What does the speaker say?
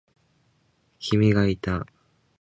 君がいた。